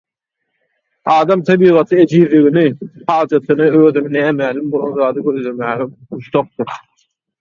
Adam tebigaty ejizligini, hajatyny, özüne nämälim bolan zady gözlemäge muşdakdyr.